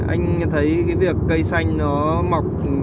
anh thấy cái việc cây xanh nó mọc